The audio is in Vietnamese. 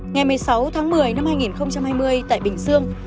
ngày một mươi sáu tháng một mươi năm hai nghìn hai mươi tại bình dương